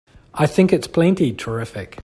I think it's plenty terrific!